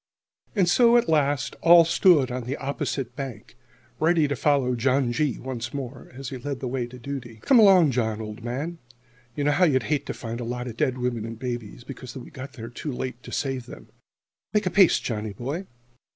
And so, at last, all stood on the opposite bank, ready to follow John G. once more, as he led the way to duty. "Come along, John, old man. You know how you'd hate to find a lot of dead women and babies because we got there too late to save them! Make a pace, Johnny boy!"